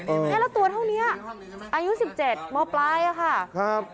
แค่ละตัวเท่านี้อายุสิบเจ็ดมปลายแล้วค่ะครับ